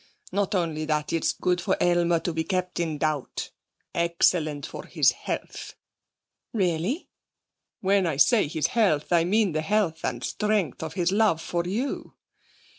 Not only that, it's good for Aylmer to be kept in doubt. Excellent for his health.' 'Really?' 'When I say his health, I mean the health and strength of his love for you.